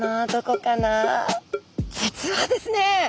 実はですね